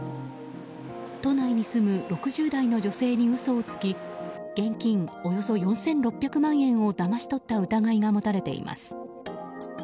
都内に住む６０代の女性に嘘をつき現金およそ４６００万円をだまし取った疑いが持たれています。